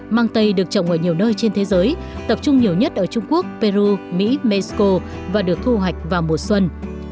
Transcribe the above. mang tây được trồng ở nhiều nơi trên thế giới tập trung nhiều nhất ở trung quốc peru mỹ mexico và được thu hoạch vào mùa xuân